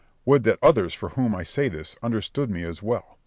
Berg. Would that others for whom I say this understood me as well!